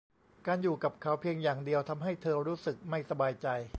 การอยู่กับเขาเพียงอย่างเดียวทำให้เธอรู้สึกไม่สบายใจ